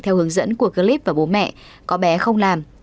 theo hướng dẫn của clip và bố mẹ có bé không làm